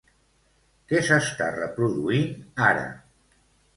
Què s'està reproduint ara?